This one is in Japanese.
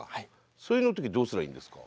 そういう時どうすればいいんですか？